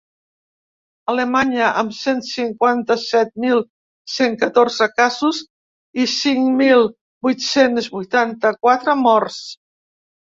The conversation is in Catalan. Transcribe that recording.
Alemanya, amb cent cinquanta-set mil cent catorze casos i cinc mil vuit-cents vuitanta-quatre morts.